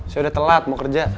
saya udah telat mau kerja